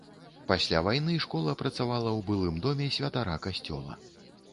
Пасля вайны школа працавала ў былым доме святара касцёла.